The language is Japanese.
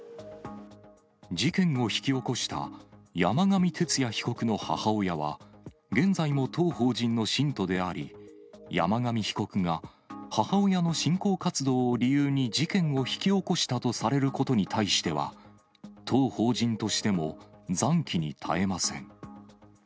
事件を引き起こした山上徹也被告の母親は、現在も当法人の信徒であり、山上被告が母親の信仰活動を理由に事件を引き起こしたとされることに対しては、当法人としてもざんきにたえません。